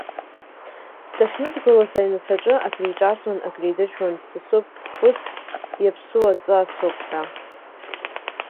Дахьныдгылоз аҩнаҭаҿы, акриҿарҵон, акридыржәуан, дсасуп, ус иаԥсуа ҵасуп ҳәа.